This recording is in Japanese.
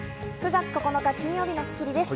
９月９日、金曜日の『スッキリ』です。